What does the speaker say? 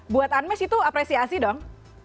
buat unmes itu apresiasi dong